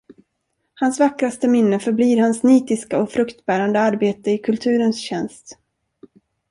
Hans vackraste minne förblir hans nitiska och fruktbärande arbete i kulturens tjänst.